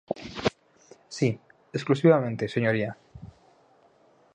Si, exclusivamente, señoría.